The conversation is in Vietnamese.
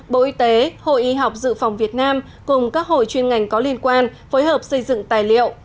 bộ y tế hội y học dự phòng việt nam cùng các hội chuyên ngành có liên quan phối hợp xây dựng tài liệu